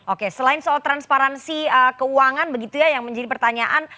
oke selain soal transparansi keuangan begitu ya yang menjadi pertanyaan